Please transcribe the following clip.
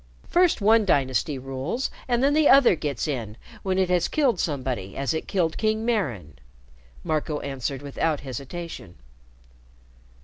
First one dynasty rules, and then the other gets in when it has killed somebody as it killed King Maran," Marco answered without hesitation.